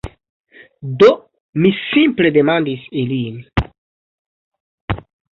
Do, mi simple demandis ilin